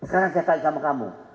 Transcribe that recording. sekarang saya tanya sama kamu